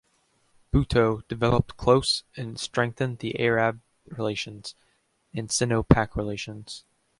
Bhutto developed close and strengthened the Arab relations, and Sino-Pak relations.